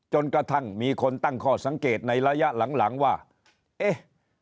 จนกระทั่งมีคนตั้งข้อสังเกตในระยะหลังหลังว่าเอ๊ะ